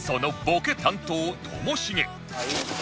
ボケ担当ともしげ